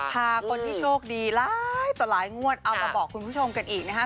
พาคนที่โชคดีหลายต่อหลายงวดเอามาบอกคุณผู้ชมกันอีกนะคะ